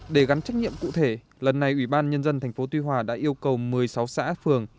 để gắn trách nhiệm cụ thể lần này ủy ban nhân dân tp tuy hòa đã yêu cầu một mươi sáu xã phường